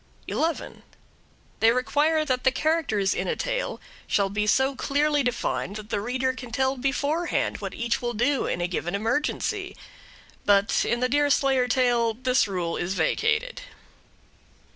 11. They require that the characters in a tale shall be so clearly defined that the reader can tell beforehand what each will do in a given emergency. But in the Deerslayer tale this rule is vacated.